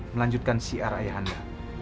melanjutkan siar ayah anda